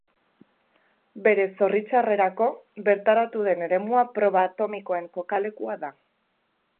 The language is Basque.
Bere zoritxarrerako, bertaratu den eremua proba atomikoen kokalekua da.